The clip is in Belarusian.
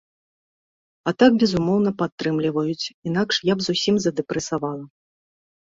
А так безумоўна падтрымліваюць, інакш я б зусім задэпрэсавала.